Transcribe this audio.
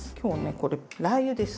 これラー油です。